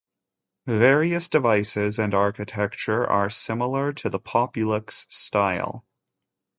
Various devices and architecture are similar to the Populuxe style.